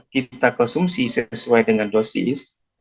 kita konsumsi sesuai dengan dosis